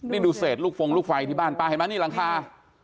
นี่ดูเศษลูกฟงลูกไฟที่บ้านป้าเห็นไหมนี่หลังคา